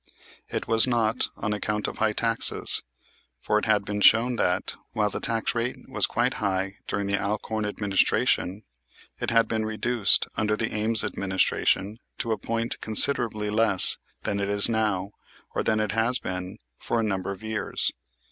It was not on account of high taxes; for it had been shown that, while the tax rate was quite high during the Alcorn administration, it had been reduced under the Ames administration to a point considerably less than it is now or than it has been for a number of years.